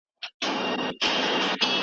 که موږ غفلت وکړو، نو تاوان به وکړو.